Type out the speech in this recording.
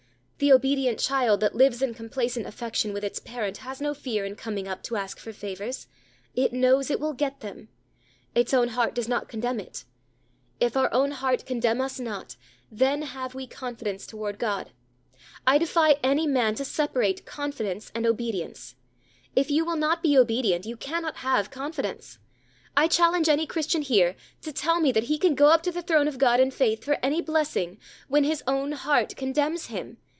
The obedient child that lives in complacent affection with its parent has no fear in coming up to ask for favors. It knows it will get them. Its own heart does not condemn it. "If our own heart condemn us not, then have we confidence toward God." I defy any man to separate confidence and obedience. If you will not be obedient, you cannot have confidence. I challenge any Christian here to tell me that he can go up to the throne of God in faith for any blessing, when his own heart condemns him.